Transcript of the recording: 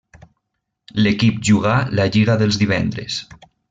L'equip jugà la lliga dels divendres.